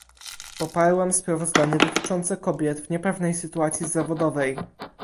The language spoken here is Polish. Poparłam sprawozdanie dotyczące kobiet w niepewnej sytuacji zawodowej